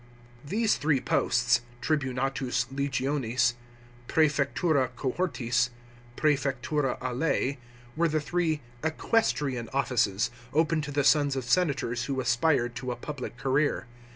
These three posts (tribunatus legionis, preefectura cohortis, prsefectura alee) were the three " equestrian offices," open to the sons of senators who aspired to a pnblic career.